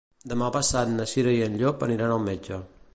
Demà passat na Cira i en Llop aniran al metge.